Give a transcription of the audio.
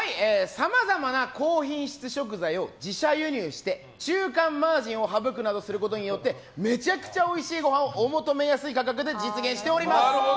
さまざまな高品質食材を自社輸入して中間マージンを省くなどすることによってめちゃくちゃおいしいごはんをお求めやすい価格で実現しております。